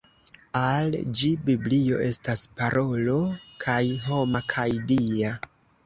Al ĝi Biblio estas parolo kaj homa kaj Dia.